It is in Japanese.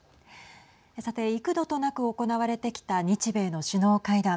さて幾度となく行われてきた、日米の首脳会談。